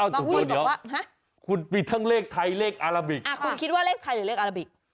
บางคนบอกว่าฮะคุณคิดว่าเลขไทยหรือเลขอาราบิกอ่าคุณคิดว่าเลขไทยหรือเลขอาราบิก